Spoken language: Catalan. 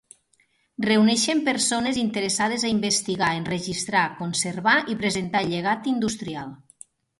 Reuneixen persones interessades a investigar, enregistrar, conservar i presentar el llegat industrial.